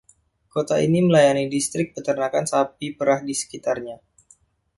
Kota ini melayani distrik peternakan sapi perah di sekitarnya.